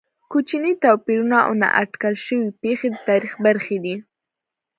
کوچني توپیرونه او نا اټکل شوې پېښې د تاریخ برخې دي.